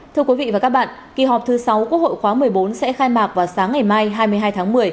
thưa quý vị và các bạn kỳ họp thứ sáu quốc hội khóa một mươi bốn sẽ khai mạc vào sáng ngày mai hai mươi hai tháng một mươi